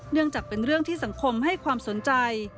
จากเป็นเรื่องที่สังคมให้ความสนใจ